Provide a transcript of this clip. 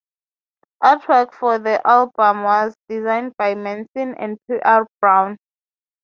Artwork for the album was designed by Manson and P. R. Brown.